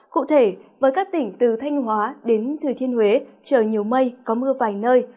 cụ thể với các tỉnh từ thanh hóa đến thừa thiên huế trời nhiều mây có mưa vài nơi